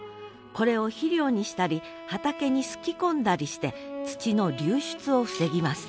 これを肥料にしたり畑にすき込んだりして土の流出を防ぎます